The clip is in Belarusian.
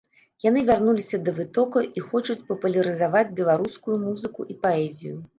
Яны вярнуліся да вытокаў і хочуць папулярызаваць беларускую музыку і паэзію.